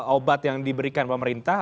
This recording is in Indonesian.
obat yang diberikan pemerintah